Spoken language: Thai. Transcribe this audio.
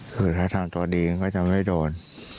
คือถ้าทางตัวดีมันก็จะไม่โดน